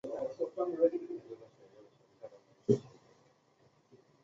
不久连美雅也为了保护希布亦牺牲了性命。